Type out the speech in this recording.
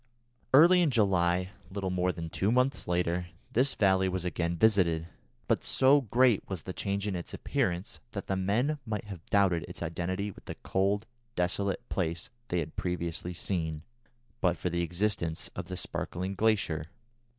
Early in July, little more than two months later, this valley was again visited, but so great was the change in its appearance that the men might have doubted its identity with the cold, desolate place they had previously seen, but for the existence of the sparkling glacier.